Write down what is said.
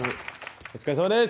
お疲れさまです！